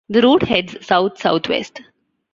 The route heads south-south-west.